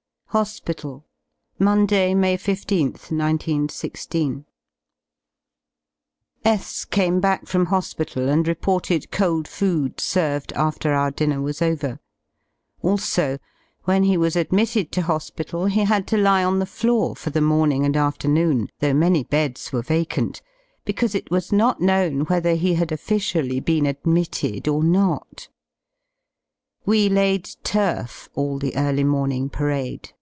J HOSPITAL Monday, May 15th, 1916, S came back fromhospital and reported cold food served after our dinner was over. Also when he was admitted to hospital he had to lie on the floor for the morning and afternoon, though many beds were vacant, because it was! not known whether he had officially been admitted or notj We laid turf all the early morning parade.